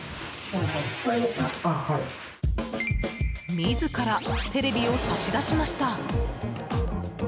自らテレビを差し出しました。